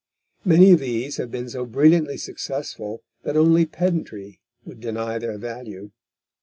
Many of these have been so brilliantly successful that only pedantry would deny their value.